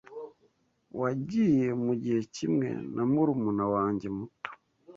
Wagiye mugihe kimwe na murumuna wanjye muto?